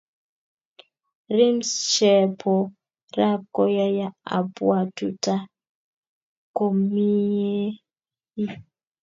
rhymes chepo rap koyaya apuatuta komiei